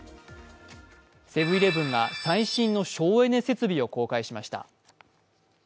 セブン−イレブンが最新の省エネ設備を公開しました。